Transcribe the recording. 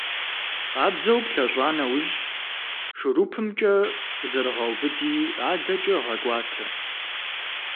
Къабзэу плъэщӀа нэужь, шурупымкӀэ зэрыгъэубыди, адэкӀэ гъэкӏуатэ.